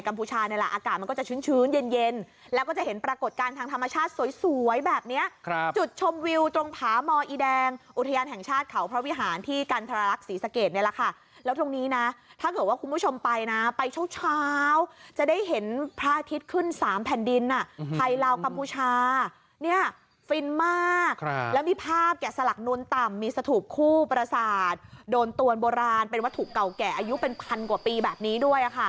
กัมพูชาเนี่ยล่ะอากาศมันก็จะชื้นชื้นเย็นเย็นแล้วก็จะเห็นปรากฏการณ์ทางธรรมชาติสวยสวยแบบเนี้ยครับจุดชมวิวตรงผามออีแดงอุทยานแห่งชาติเขาพระวิหารที่กันทรลักษณ์ศรีสะเกดเนี่ยล่ะค่ะแล้วตรงนี้น่ะถ้าเกิดว่าคุณผู้ชมไปน่ะไปเช้าเช้าจะได้เห็นพระอาทิตย์ขึ้นสามแผ่นด